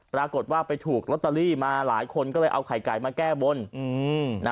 ปรากฏว่าไปถูกลอตเตอรี่มาหลายคนก็เลยเอาไข่ไก่มาแก้บน